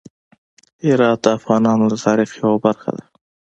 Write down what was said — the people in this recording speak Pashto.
هرات د افغانانو د تاریخ یوه برخه ده.